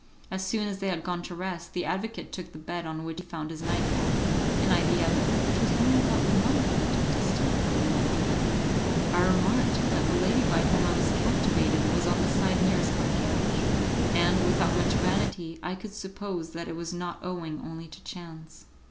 As soon as they had gone to rest, the advocate took the bed on which he found his nightcap, and I the other, which was only about one foot distant from the large bed. I remarked that the lady by whom I was captivated was on the side nearest my couch, and, without much vanity, I could suppose that it was not owing only to chance.